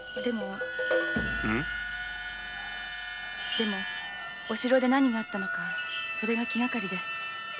でもお城で何があったのかそれが気がかりです。